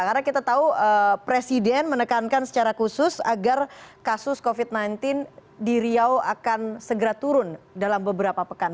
karena kita tahu presiden menekankan secara khusus agar kasus covid sembilan belas di riau akan segera turun dalam beberapa pekan